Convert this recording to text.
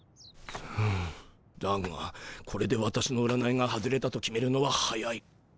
だがこれで私の占いが外れたと決めるのは早い。